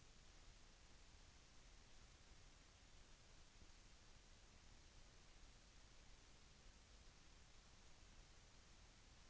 โปรดติดตามตอนต่อไป